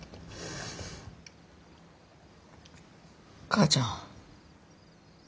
母ちゃん。